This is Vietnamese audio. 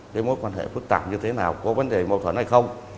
cái mối quan hệ phức tạp như thế nào có vấn đề mâu thuẫn hay không